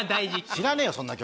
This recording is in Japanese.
知らねえよそんな曲。